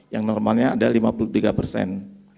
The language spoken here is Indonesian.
yang normalnya ada lima puluh tiga persen